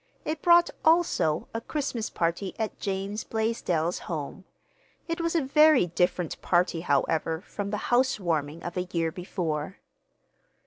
It brought, also, a Christmas party at James Blaisdell's home. It was a very different party, however, from the housewarming of a year before.